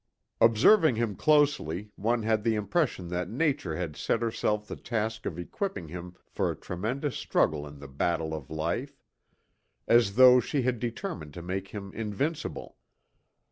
Observing him closely, one had the impression that Nature had set herself the task of equipping him for a tremendous struggle in the battle of life; as though she had determined to make him invincible.